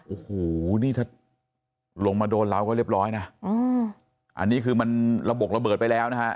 โอ้โหนี่ถ้าลงมาโดนเราก็เรียบร้อยนะอันนี้คือมันระบบระเบิดไปแล้วนะฮะ